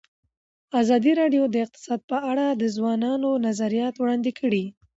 ازادي راډیو د اقتصاد په اړه د ځوانانو نظریات وړاندې کړي.